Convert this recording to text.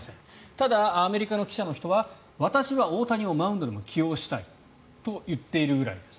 ただ、アメリカの記者の人は私は大谷をマウンドでも起用したいと言っているぐらいです。